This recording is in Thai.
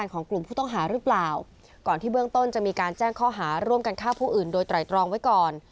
ก่อนที่เบื้องต้นจะมีการแจ้งข้อหาร่วมกันค่าผู้อื่นโดยตรายตรองไว้ก่อน